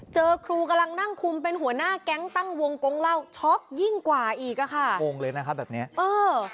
เจอครูกำลังนั่งคุมเป็นหัวหน้าแก๊งตั้งวงกงเล่าช็อกยิ่งกว่าอีกอ่ะค่ะงงเลยนะคะแบบเนี้ยเออ